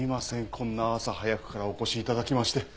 こんな朝早くからお越しいただきまして。